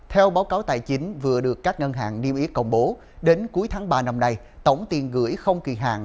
theo báo cáo tài chính vừa được các ngân hàng niêm yết công bố đến cuối tháng ba năm nay tổng tiền gửi không kỳ hạn